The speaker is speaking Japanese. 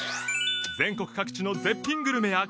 全国各地の絶品グルメや感動